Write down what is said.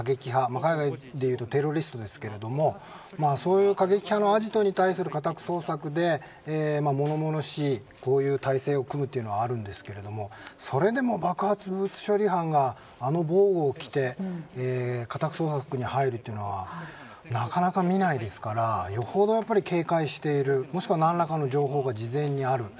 海外でいうとテロリストですけれどもそういう過激派のアジトに対する家宅捜索で物々しい体制を組むのはあるんですけれどもそれでも爆発物処理班があの防具を着て家宅捜索に入るというのはなかなか見ないですからよほど警戒している、もしくは何らかの情報が事前にある。